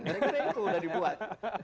mereka itu sudah dibuat